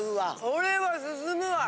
これはすすむわ。